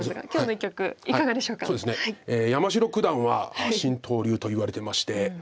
山城九段は浸透流といわれてまして。